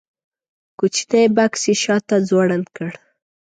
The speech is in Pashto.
کوچنی بکس یې شاته ځوړند و.